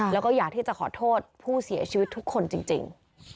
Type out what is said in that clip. แล้วก็อยากที่จะขอโทษผู้เสียชีวิตทุกคนจริง